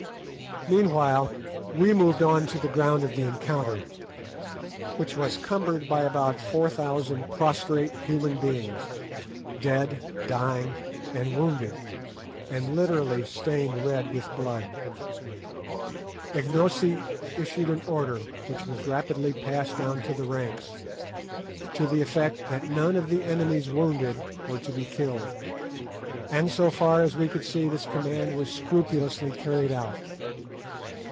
Meanwhile we moved on to the ground of the encounter, which was cumbered by about four thousand prostrate human beings, dead, dying, and wounded, and literally stained red with blood. Ignosi issued an order, which was rapidly passed down the ranks, to the effect that none of the enemy's wounded were to be killed, and so far as we could see this command was scrupulously carried out.